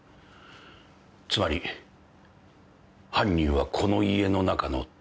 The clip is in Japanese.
つまり犯人はこの家の中の誰か。